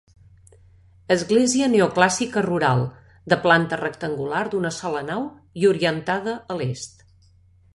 Església neoclàssica rural, de planta rectangular d'una sola nau i orientada a l'est.